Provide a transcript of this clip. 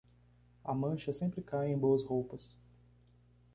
A mancha sempre cai em boas roupas.